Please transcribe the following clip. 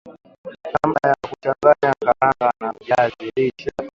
namna ya kuchanganya karanga na viazi lishe